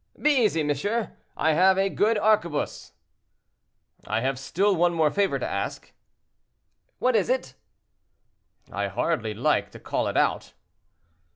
"Be easy, monsieur, I have a good arquebuse." "I have still one more favor to ask." "What is it?" "I hardly like to call it out."